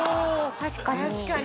確かに。